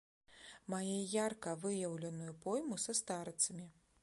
Мае ярка выяўленую пойму са старыцамі.